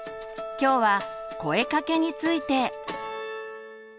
今日は「声かけ」について。